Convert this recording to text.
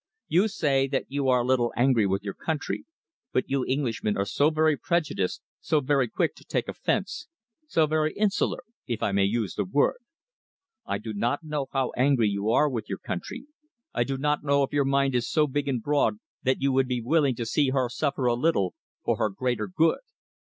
You say that you are a little angry with your country, but you Englishmen are so very prejudiced, so very quick to take offence, so very insular, if I may use the word. I do not know how angry you are with your country. I do not know if your mind is so big and broad that you would be willing to see her suffer a little for her greater good.